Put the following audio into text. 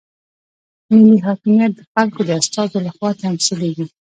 ملي حاکمیت د خلکو د استازو لخوا تمثیلیږي.